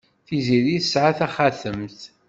Tiziri tesɛa taxatemt.